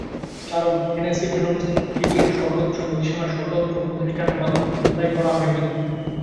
কারণ, Hennessey Venom জিটির সর্বোচ্চ গতিসীমা স্বতন্ত্র প্রতিষ্ঠানের মাধ্যমে যাচাই করা হয়নি।